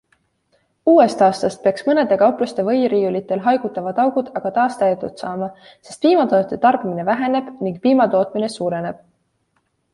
Uuest aastast peaks mõnede kaupluste võiriiulitel haigutavad augud aga taas täidetud saama, sest piimatoodete tarbimine väheneb ning piima tootmine suureneb.